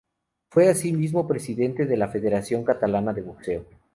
Fue asimismo presidente de la Federación Catalana de Boxeo.